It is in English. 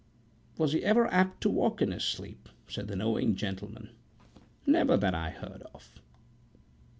""Was he ever apt to walk in his sleep?" said the knowing old gentleman."Never that I heard of."